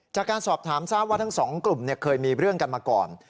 จากการสอบถามทราบว่าทั้งสองกลุ่มเคยมีเรื่องกันมาก่อน